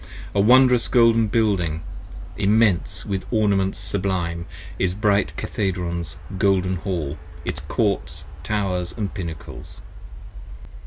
A wondrous golden Building, immense with ornaments sublime 25 Is bright Cathedron's golden Hall, its Courts, Towers & Pinnacles.